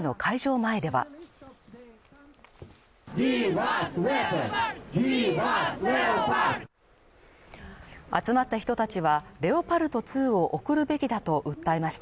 前では集まった人たちはレオパルト２を送るべきだと訴えました